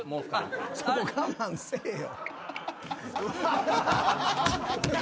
そこ我慢せえよ。